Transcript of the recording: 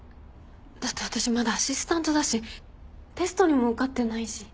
だって私まだアシスタントだしテストにも受かってないし。